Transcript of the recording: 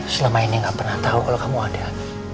selama ini gak pernah tahu kalau kamu ada